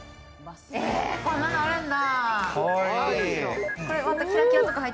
ええっ、こんなのあるんだ。